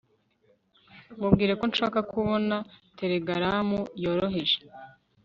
mubwire ko nshaka kubona telegaramu yohereje